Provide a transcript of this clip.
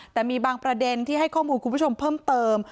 แต่มีบางประเด็นที่ให้ข้อมูลคุณผู้ชมเพิ่มเติม